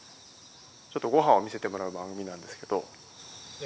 ちょっとご飯を見せてもらう番組なんですけど。